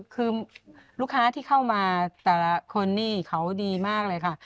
คือลูกค้าที่เข้ามาแต่ละคนนี่เขาดีมากเลยค่ะ